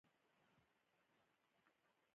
د غزني باغونه الو دي